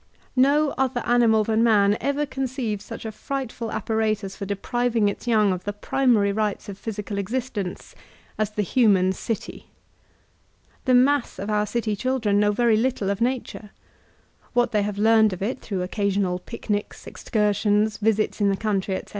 No other animal than man ever conceived such a frightful apparatus for depriving its young of the primary rights of physical existence as the human city. The mass of our city children know very little of nature. What they have learned of it through occasional picnics, excursions, visits in the country, etc.